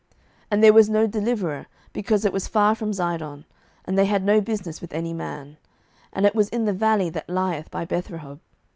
07:018:028 And there was no deliverer, because it was far from Zidon, and they had no business with any man; and it was in the valley that lieth by Bethrehob.